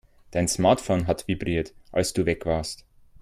Dein Smartphone hat vibriert, als du weg warst.